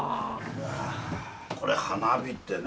これ花火ってね